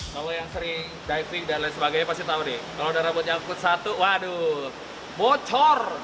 kalau yang sering diving dan lain sebagainya pasti tahu deh kalau udah rambut nyangkut satu waduh bocor